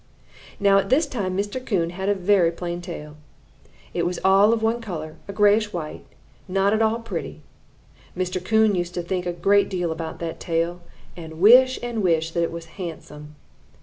"Now at this time Mr. Coon had a very plain tail. It was all of one color, a grayish white, not at all pretty. Mr. Coon used to think a great deal about that tail and wish and wish that it was handsome.